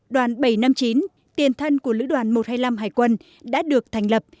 đoàn bảy trăm năm mươi chín tiền thân của lữ đoàn một trăm hai mươi năm hải quân đã được thành lập